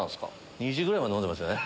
「２時ぐらいまで飲んでましたね」。